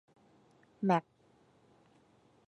แมป